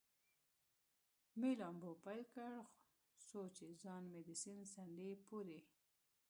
مې لامبو پیل کړ، څو چې ځان مې د سیند څنډې پورې.